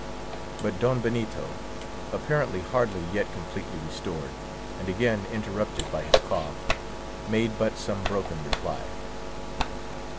But Don Benito, apparently hardly yet completely restored, and again interrupted by his cough, made but some broken reply.